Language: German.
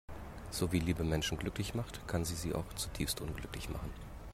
So wie Liebe Menschen glücklich macht, kann sie sie auch zutiefst unglücklich machen.